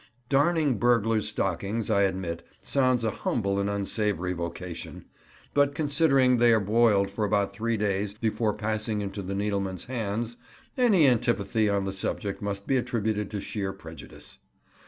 Darning burglars' stockings, I admit, sounds a humble and unsavoury vocation; but considering they are boiled for about three days before passing into the needlemen's hands, any antipathy on the subject must be attributed to sheer prejudice.